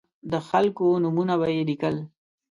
د خلکو نومونه به یې لیکل.